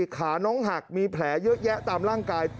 ขาน้องหักมีแผลเยอะแยะตามร่างกาย